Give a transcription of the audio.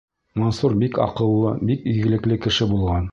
Мансур бик аҡыллы, бик игелекле кеше булған.